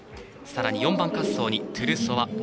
さらに４番滑走にトゥルソワ。